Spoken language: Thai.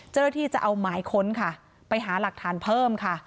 เจ้าหน้าที่จะเอาหมายค้นค่ะไปหาหลักฐานเพิ่มค่ะ